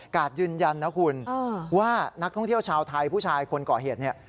ยืนยันนะคุณว่านักท่องเที่ยวชาวไทยผู้ชายคนก่อเหตุเนี่ย